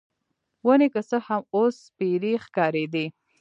ونې که څه هم، اوس سپیرې ښکارېدې.